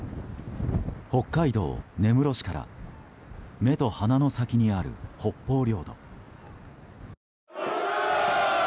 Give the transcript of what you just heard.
北海道根室市から目と鼻の先にある北方領土。